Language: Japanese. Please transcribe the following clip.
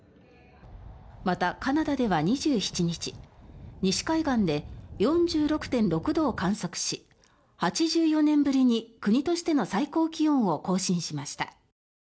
また、カナダでは２７日西海岸で４６．６度を観測し８４年ぶりに国としての最高気温を更新しました。